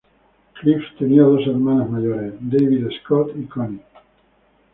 Cliff tenía dos hermanos mayores, David Scott y Connie.